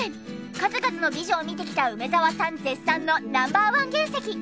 数々の美女を見てきた梅沢さん絶賛のＮｏ．１原石。